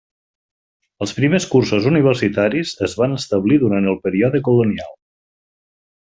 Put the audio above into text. Els primers cursos universitaris es van establir durant el període colonial.